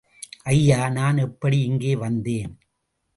ஐயா நான் எப்படி இங்கே வந்தேன்?